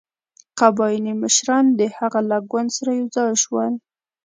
قبایلي مشران د هغه له ګوند سره یو ځای شول.